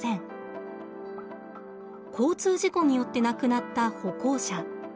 交通事故によって亡くなった歩行者。